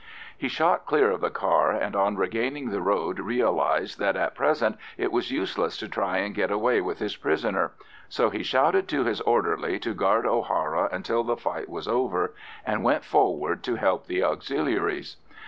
He shot clear of the car, and on regaining the road realised that at present it was useless to try and get away with his prisoner, so he shouted to his orderly to guard O'Hara until the fight was over, and went forward to help the Auxiliaries.